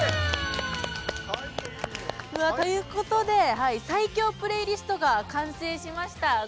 ということで最強プレイリストが完成しました。